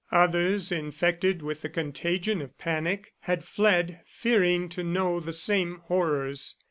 Others, infected with the contagion of panic, had fled, fearing to know the same horrors.